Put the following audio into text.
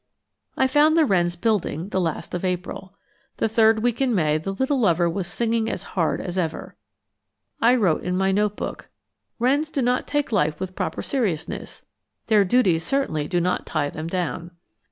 I found the wrens building, the last of April. The third week in May the little lover was singing as hard as ever. I wrote in my note book "Wrens do not take life with proper seriousness, their duties certainly do not tie them down."